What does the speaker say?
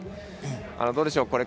どうでしょう。